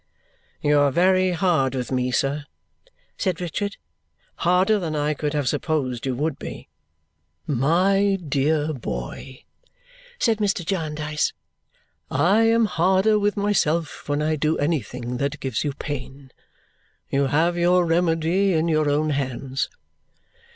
"You are very hard with me, sir," said Richard. "Harder than I could have supposed you would be." "My dear boy," said Mr. Jarndyce, "I am harder with myself when I do anything that gives you pain. You have your remedy in your own hands.